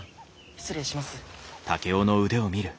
失礼します。